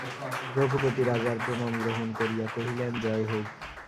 রঘুপতি রাজার প্রণাম গ্রহণ করিয়া কহিলেন, জয় হউক।